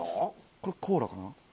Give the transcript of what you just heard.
これコーラかな？